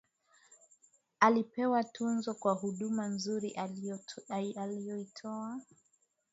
alipewa tuzo kwa huduma nzuri aliyoitoa